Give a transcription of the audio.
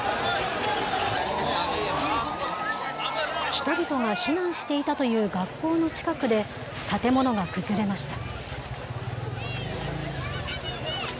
人々が避難していたという学校の近くで、建物が崩れました。